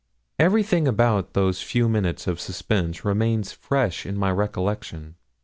Everything about those few minutes of suspense remains fresh in my recollection.